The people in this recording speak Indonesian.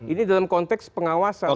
ini dalam konteks pengawasan